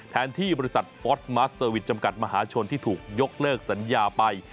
แทนที่บริษัทฟอสสมาร์ทเซอร์วิสจำกัดมหาชนที่ถูกยกเลิกสัญญาไป